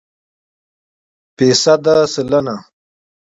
فیصده √ سلنه